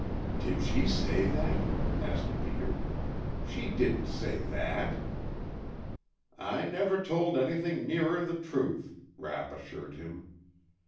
"Did she say that?" asked Peter. "She didn't say that!" "I never told anything nearer the truth," Rapp assured him.